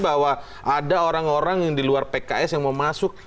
bahwa ada orang orang yang di luar pks yang mau masuk